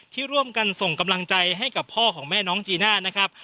ที่ร่วมกันส่งกำลังใจให้กับพ่อของแม่น้องจีน่านะครับ